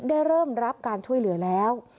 เริ่มรับการช่วยเหลือแล้ว